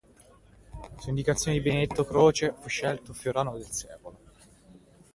Su indicazione di Benedetto Croce, fu scelto Floriano Del Secolo.